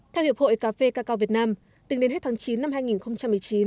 theo hiệp hội cà phê cà cao việt nam tính đến hết tháng chín năm hai nghìn một mươi chín